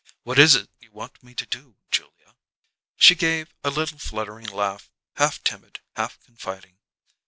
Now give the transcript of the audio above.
"What is it you want me to do, Julia?" She gave a little fluttering laugh, half timid, half confiding.